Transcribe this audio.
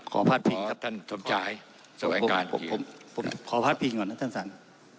ขอพลัดพิงก่อนนะท่านสาร